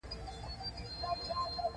هر کمر ته چی تکيه شو، لکه شګه را شړيږی